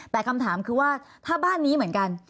แต่คำถามคือว่าถ้าบ้านนี้เหมือนกัน